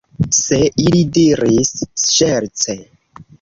Se ili diris ŝerce.